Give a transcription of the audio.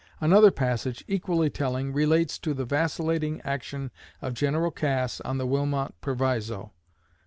Another passage, equally telling, relates to the vacillating action of General Cass on the Wilmot Proviso.